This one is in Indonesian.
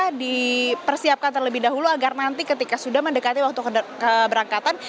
bisa dipersiapkan terlebih dahulu agar nanti ketika sudah mendekati waktu keberangkatan